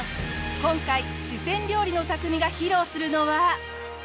今回四川料理の匠が披露するのは。